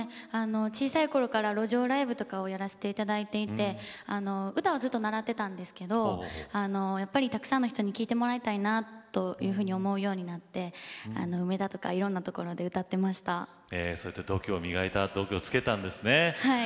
小さいころから路上ライブをやらせていただいて歌は習っていたんですけれどもたくさんの人に聴いてもらいたいなと思うようになって梅田とかいろいろなところでそうやって度胸をつけたんですね。